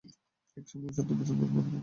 এক সময় সত্যই মুসলমানদের মনোবল ভেঙ্গে যায়।